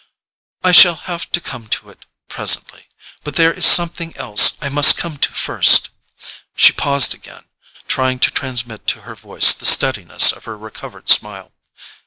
"I shall have to come to it—presently. But there is something else I must come to first." She paused again, trying to transmit to her voice the steadiness of her recovered smile.